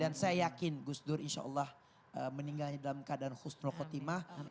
dan saya yakin gus dur insya allah meninggalnya dalam keadaan khusnul khotimah